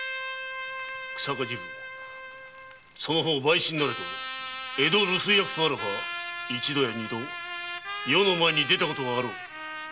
日下治部その方陪臣なれど江戸留守居役とあらば一度や二度余の前に出たこともあろう。